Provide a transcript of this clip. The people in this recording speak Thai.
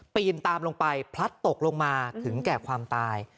ปีนตามลงไปพลัดตกลงมาถึงแก่ความตาย